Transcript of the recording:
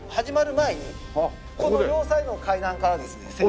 始まる前にこの両サイドの階段からですね